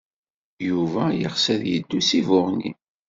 Yuba yeɣs ad yeddu seg Buɣni.